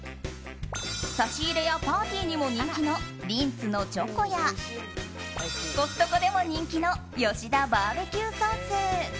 差し入れやパーティーにも人気のリンツのチョコやコストコでも人気のヨシダバーベキューソース。